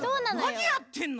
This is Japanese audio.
なにやってんの？